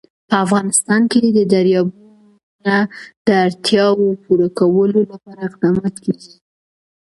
په افغانستان کې د دریابونه د اړتیاوو پوره کولو لپاره اقدامات کېږي.